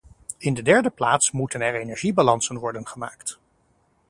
In de derde plaats moeten er energiebalansen worden gemaakt.